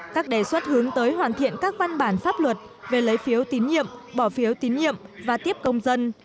các đề xuất hướng tới hoàn thiện các văn bản pháp luật về lấy phiếu tín nhiệm bỏ phiếu tín nhiệm và tiếp công dân